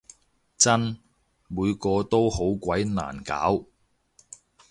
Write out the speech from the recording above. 真！每個都好鬼難搞